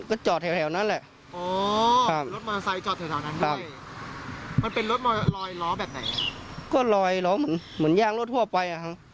ก็หลอยเหมือนยางรถทั่วไป